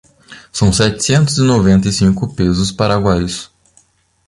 São setecentos e noventa e cinco pesos paraguaios